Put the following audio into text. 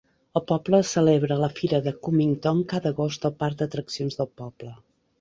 El poble celebra la fira de Cummington cada agost al parc d'atraccions del poble.